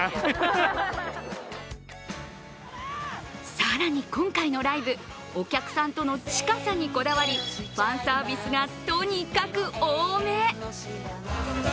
更に、今回のライブお客さんとの近さにこだわりファンサービスがとにかく多め。